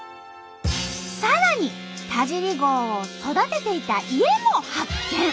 さらに田尻号を育てていた家も発見！